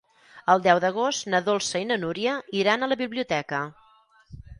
El deu d'agost na Dolça i na Núria iran a la biblioteca.